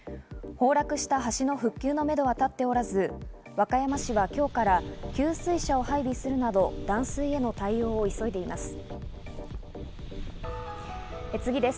崩落した橋の復旧のめどは立っておらず、和歌山市は今日から給水車を配備するなど断水への対応を急いでいます。